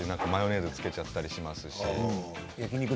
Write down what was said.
マヨネーズをつけちゃったりします。